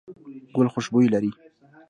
ګل خوشبويي لري.